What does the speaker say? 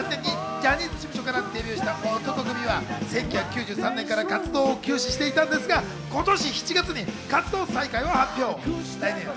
１９８８年にジャニーズ事務所からデビューした男闘呼組は、１９９３年から活動休止していたんですが、今年７月に活動再開を発表。